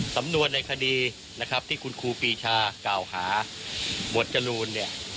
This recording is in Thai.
สำนวนในคดีนะครับที่คุณครูปีชากล่าวหาหมวดจรูนเนี่ย